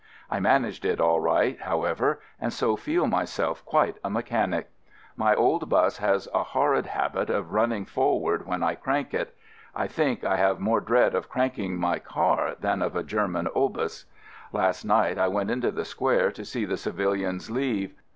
I managed it all right, however, and so feel myself quite a mechanic. My old bus has a horrid habit of running for ward when I crank it. I think I have more dread of cranking my car than of a German " obus." Last night I went into the Square to see the civilians leave.